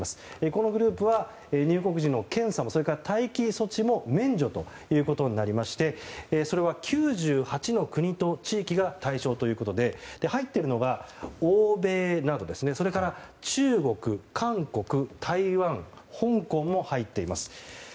このグループは入国時の検査も待機措置も免除となりましてそれは９８の国と地域が対象ということで入ってるのが欧米、中国、韓国、台湾香港も入っています。